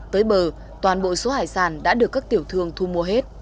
tới bờ toàn bộ số hải sản đã được các tiểu thương thu mua hết